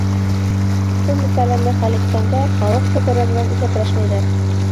Был мәсьәләне хәл иткәндә халыҡ фекере менән иҫәпләшмәйҙәр.